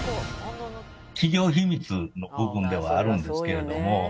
企業秘密の部分ではあるんですけれども。